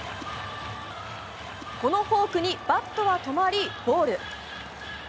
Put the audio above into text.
このフォークにバットは止まりボール。